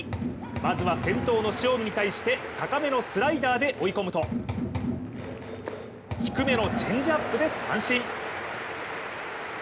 まずは先頭の塩見に対して高めのスライダーで追い込むと低めのチェンジアップで三振。